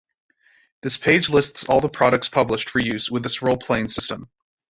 This page lists all the products published for use with this role-playing system.